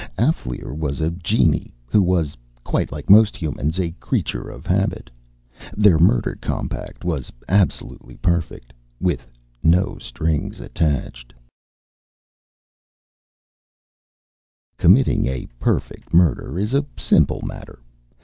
Alféar was a genii who was, quite like most humans, a creature of habit. Their murder compact was absolutely perfect, with _Committing a perfect murder is a simple matter.